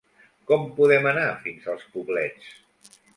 Com podem anar fins als Poblets?